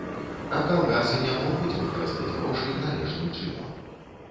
А калгасы не могуць выкарыстаць грошы належным чынам.